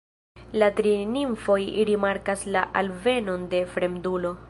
La tri nimfoj rimarkas la alvenon de fremdulo.